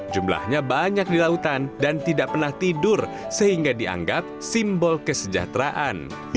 jumlahnya banyak di lautan dan tidak pernah tidur sehingga dianggap simbol kesejahteraan